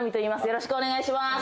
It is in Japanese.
よろしくお願いします